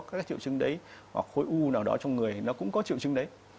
các triệu chứng đấy hoặc khối u nào đó trong người nó cũng có triệu chứng đấy